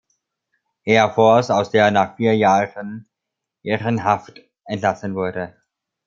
Air Force, aus der er nach vier Jahren ehrenhaft entlassen wurde.